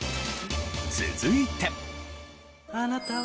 続いて。